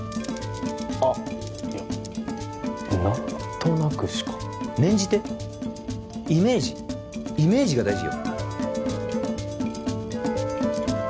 あっいや何となくしか念じてイメージイメージが大事よ